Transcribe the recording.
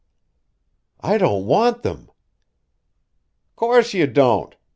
"I don't want them!" "Course you don't!